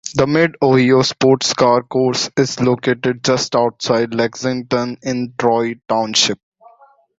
The Mid-Ohio Sports Car Course is located just outside Lexington in Troy Township.